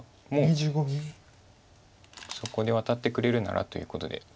もうそこでワタってくれるならということで。